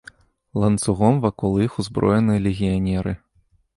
Ланцугом вакол іх узброеныя легіянеры.